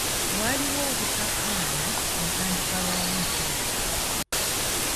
Waliwo obutakkaanya ku ntandikwa ya wiiki eno.